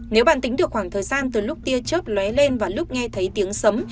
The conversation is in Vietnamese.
nếu bạn tính được khoảng thời gian từ lúc tia chớp lé lên và lúc nghe thấy tiếng sấm